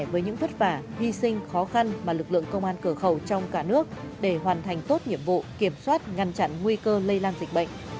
với những vất vả hy sinh khó khăn mà lực lượng công an cửa khẩu trong cả nước để hoàn thành tốt nhiệm vụ kiểm soát ngăn chặn nguy cơ lây lan dịch bệnh